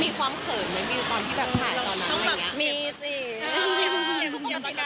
มีความเขินในวิวตอนที่แบบถ่ายตอนนั้นอะไรอย่างนี้ค่ะ